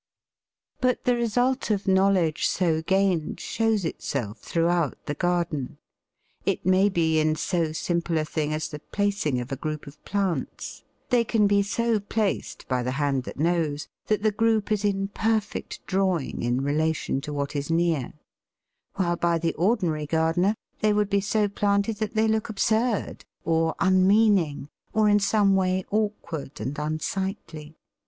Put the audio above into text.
But the result of knowledge so gained shows itself throughout the garden. It may be in so simple a thing as the placing of a group of plants. They can be so placed by the hand that knows, that the group is in perfect drawing in relation to what is near; while by the ordinary gardener they would be so planted that they look absurd, or unmeaning, or in some way awkward and unsightly.